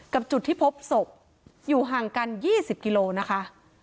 จุดที่พบศพอยู่ห่างกัน๒๐กิโลนะคะ